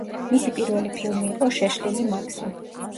მისი პირველი ფილმი იყო „შეშლილი მაქსი“.